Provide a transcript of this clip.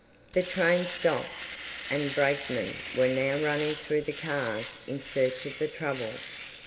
The train stopped, and brakemen were now running through the cars in search of the trouble.